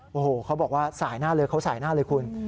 โอ้โหเขาบอกว่าสายหน้าเลยเขาสายหน้าเลยคุณ